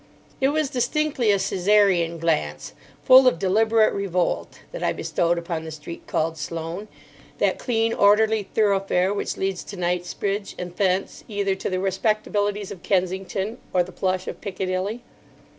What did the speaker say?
It was distinctly a Caesarian glance, full of deliberate revolt, that I bestowed upon the street called Sloane; that clean, orderly thoroughfare which leads to Knightsbridge, and thence either to the respectabilities of Kensington or the plush of Piccadilly.